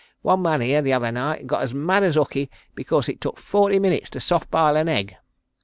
One man here the other night got as mad as hookey because it took forty minutes to soft bile an egg.